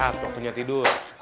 aku mau tidur